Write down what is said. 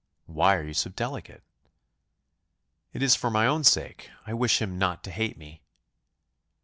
"Why are you so delicate?" "It is for my own sake; I wish him not to hate me."